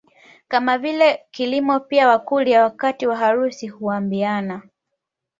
Kama vile kilimo pia Wakurya wakati wa harusi huambiana